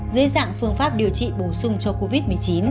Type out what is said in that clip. dưới dạng phương pháp điều trị bổ sung cho covid một mươi chín